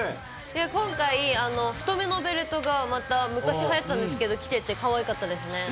今回、太めのベルトがまた昔はやったんですけど、きてて、かわいかったですね。